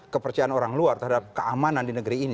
kepercayaan orang luar terhadap keamanan di negeri ini